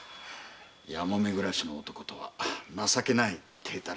やもめ暮らしの男とは情けない体たらくでして。